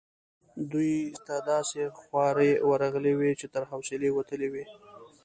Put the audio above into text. دوی ته داسي خوارې ورغلي وې چې تر حوصلې وتلې وي.